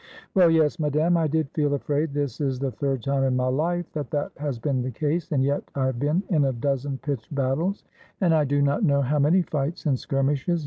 "Well, yes, Madame, I did feel afraid; this is the third time in my life that that has been the case, and yet I have been in a dozen pitched battles, and I do not know how many fights and skirmishes.